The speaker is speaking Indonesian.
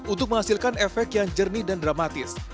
untuk menghasilkan efek yang jernih dan dramatis